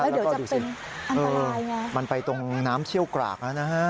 เดี๋ยวจะเป็นอันตรายไงมันไปตรงน้ำเชี่ยวกรากนะฮะ